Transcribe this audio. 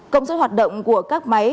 công suất hoạt động của các máy